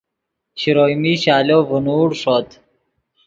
شروئے میش آلو ڤینوڑ ݰوت